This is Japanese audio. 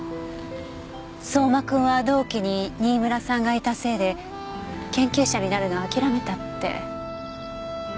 相馬君は同期に新村さんがいたせいで研究者になるのを諦めたって。